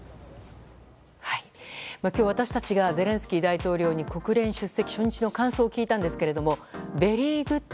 今日、私たちがゼレンスキー大統領に国連出席初日の感想を聞いたんですがＶｅｒｙｇｏｏｄ！